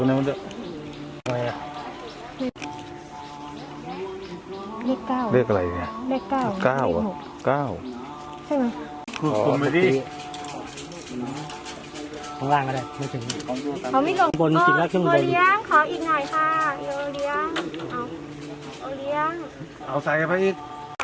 โอเรียงขออีกหน่อยค่ะโอเรียงอ้าวโอเรียงอ่าวสายไปอีก